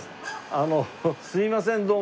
あのすいませんどうも。